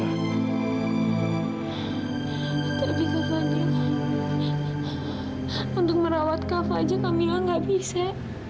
tapi kak fadil untuk merawat kafa aja kamila gak bisa